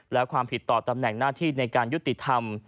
และความผิดต่อตำแหน่งหน้าที่ในการยุติธรรม